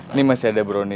ini masih ada beronatnya